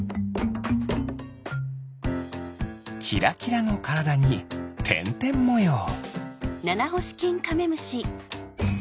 キラキラのからだにてんてんもよう。